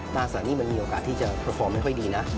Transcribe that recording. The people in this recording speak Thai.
ตราสารหนี้มันมีโอกาสที่จะประคองไม่ค่อยดีนะ